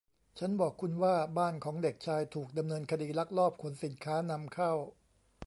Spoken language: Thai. ฉันบอกคุณว่าบ้านของเด็กชาย ถูกดำเนินคดีลักลอบขนสิ้นค้านำเข้า